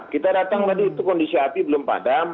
kita datang tadi itu kondisi api belum padam